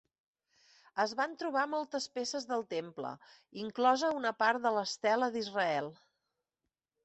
Es van trobar moltes peces del temple, inclosa una part de l'estela d'Israel.